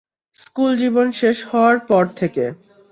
School জীবন শেষ হওয়ার পর থেকে।